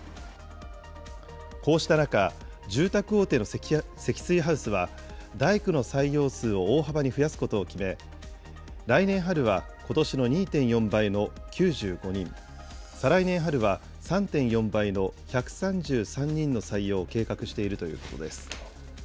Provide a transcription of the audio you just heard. こうした中、住宅大手の積水ハウスは、大工の採用数を大幅に増やすことを決め、来年春はことしの２．４倍の９５人、再来年春は３．４倍の１３３人の採用を計画しているということです。